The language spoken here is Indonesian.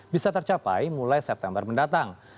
bisa tercapai mulai september mendatang